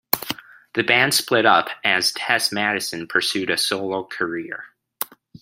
The band split up as Tess Mattisson pursued a solo career.